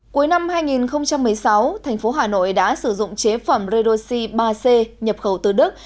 cuối năm hai nghìn một mươi sáu thành phố hà nội đã sử dụng chế phẩm redoxi ba c nhập khẩu từ đức